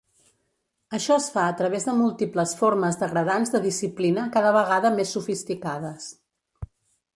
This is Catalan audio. Això es fa a través de múltiples formes degradants de disciplina cada vegada més sofisticades.